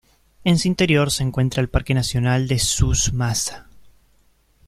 En su interior se encuentra el Parque nacional de Souss-Massa.